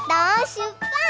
しゅっぱつ！